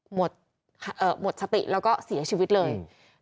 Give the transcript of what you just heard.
หมดเอ่อหมดสติแล้วก็เสียชีวิตเลยอืม